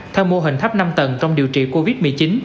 theo mô hình tháp năm tầng trong điều trị covid một mươi chín